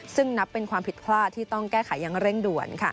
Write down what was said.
ซึ่งนับเป็นความผิดพลาดที่ต้องแก้ไขอย่างเร่งด่วน